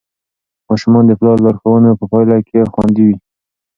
ماشومان د پلار لارښوونو په پایله کې خوندي وي.